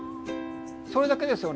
それだけですよね。